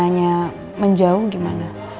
renanya menjauh gimana